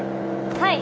はい。